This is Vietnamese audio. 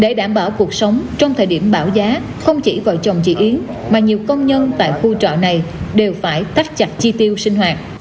để đảm bảo cuộc sống trong thời điểm bảo giá không chỉ vợ chồng chị yến mà nhiều công nhân tại khu trọ này đều phải tách chặt chi tiêu sinh hoạt